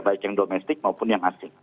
baik yang domestik maupun yang asing